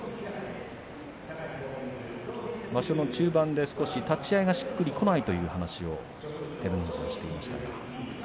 場所の中盤で立ち合いがしっくりこないという話をしていました。